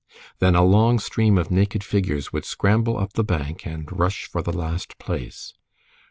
Then a long stream of naked figures would scramble up the bank and rush for the last place.